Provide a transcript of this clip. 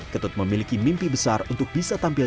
ketut memiliki mimpi besar untuk bisa tampil